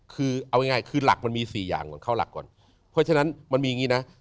คือเอาง่ายคือหลักมันมีสี่อย่างก่อนเข้าหลักก่อนเพราะฉะนั้นมันมีอย่างงี้นะ